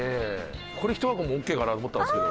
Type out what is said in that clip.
これ１箱もオッケーかなと思ったんですけど。